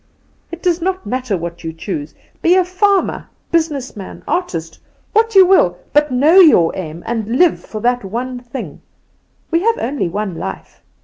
It does not matter what you choose be a farmer, businessman, artist, what you will but know your aim, and live for that one thing. We have only one life.